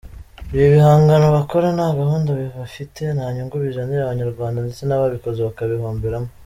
Ibi bihangano bakora nta gahunda bafite, nta nyungu bizanira abanyarwanda ndetse n’ababikoze bakabihomberamo.